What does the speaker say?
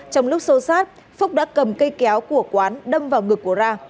trong lúc xô sát phúc đã cầm cây kéo của quán đâm vào ngực của ra